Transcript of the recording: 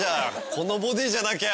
このボディじゃなきゃ。